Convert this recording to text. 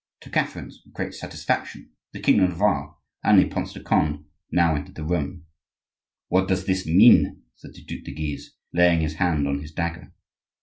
To Catherine's great satisfaction, the king of Navarre and the Prince de Conde now entered the room. "What does this mean?" said the Duc de Guise, laying his hand on his dagger.